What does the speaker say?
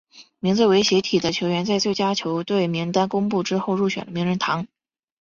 名字为斜体的球员在最佳球队名单公布之后入选了名人堂。